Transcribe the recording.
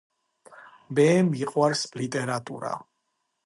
მე მიყვარს ლიტერატურა